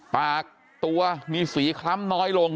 ปากตัวมีสีคล้ำน้อยลง